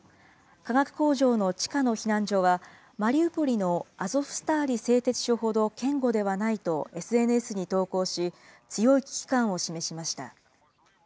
化学工場の地下の避難所は、マリウポリのアゾフスターリ製鉄所ほど堅固ではないとＳＮＳに投稿し、強い危機感を示しました。